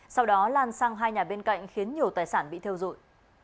sau đó lan sang hai nhà bên cạnh khiến nhiều tài sản bị theo dụi